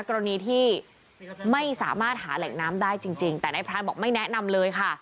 กรณีที่ไม่สามารถหาแหล่งน้ำได้จริงแต่นายพรานบอกไม่แนะนำเลยค่ะ